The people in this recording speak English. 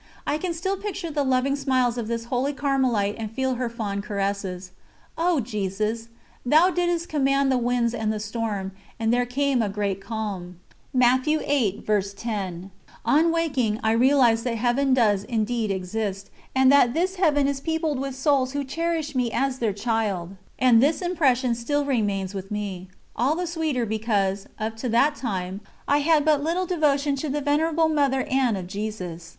I can still picture the loving smiles of this holy Carmelite and feel her fond caresses. O Jesus! "Thou didst command the winds and the storm, and there came a great calm." On waking, I realised that Heaven does indeed exist, and that this Heaven is peopled with souls who cherish me as their child, and this impression still remains with me all the sweeter, because, up to that time, I had but little devotion to the Venerable Mother Anne of Jesus.